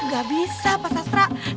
gak bisa pak rete